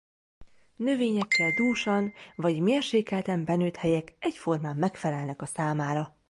Növényekkel dúsan vagy mérsékelten benőtt helyek egyformán megfelelnek a számára.